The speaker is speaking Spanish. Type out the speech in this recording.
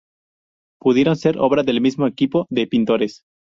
Pudieron ser obra del mismo equipo de pintores.